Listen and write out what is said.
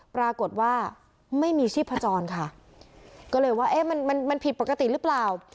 ปรากฏว่าไม่มีชีพจรค่ะก็เลยว่าเอ๊ะมันมันผิดปกติหรือเปล่า